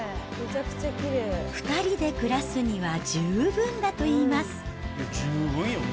２人で暮らすには十分だといいます。